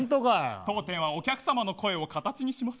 当店はお客さまの声を形にします。